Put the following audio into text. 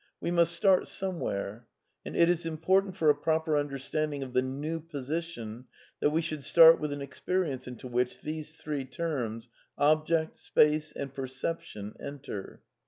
We must start somewhere; and it is important for a proper understanding of the " new '' position that we should start with an experience into which these three terms :" object," " space," and " perception," enter.